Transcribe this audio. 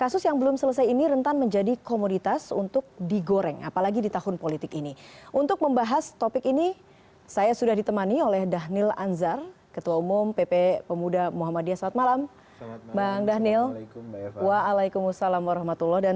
assalamualaikum warahmatullahi wabarakatuh